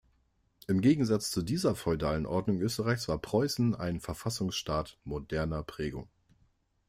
Im Gegensatz zu dieser feudalen Ordnung Österreichs war Preußen ein Verfassungsstaat moderner Prägung.